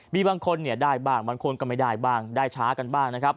มีบางคนได้บ้างบางคนไม่ได้บ้างได้ช้ากันบ้าง